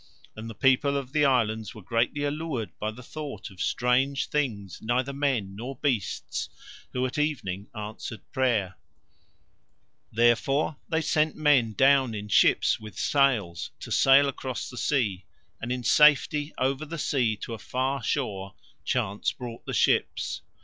'" And the people of the Islands were greatly allured by the thought of strange things neither men nor beasts who at evening answered prayer. Therefore they sent men down in ships with sails to sail across the sea, and in safety over the sea to a far shore Chance brought the ships.